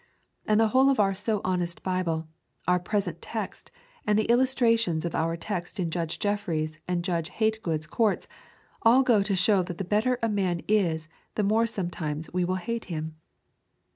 And the whole of our so honest Bible, our present text, and the illustrations of our text in Judge Jeffreys' and Judge Hate good's courts, all go to show that the better a man is the more sometimes will we hate him.